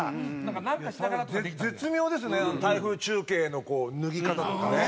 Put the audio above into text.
絶妙ですねあの台風中継の脱ぎ方とかね。